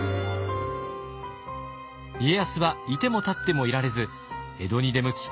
家康はいてもたってもいられず江戸に出向き